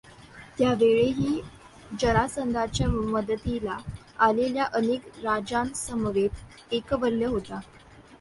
त्यावेळीही जरासंधाच्या मदतीला आलेल्या अनेक राजांसमवेत एकलव्य होता.